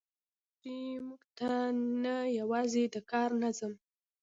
ستا مشري موږ ته نه یوازې د کار نظم،